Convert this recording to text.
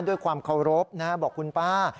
ด้วยความเคารพนะบอกคุณป้า